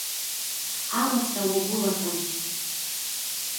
Аласа уагәылатәан.